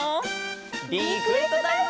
リクエストタイム！